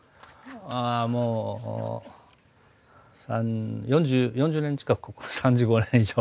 ああもう４０年近くここ３５年以上。